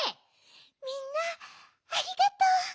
みんなありがとう。